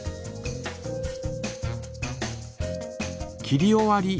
切り終わり。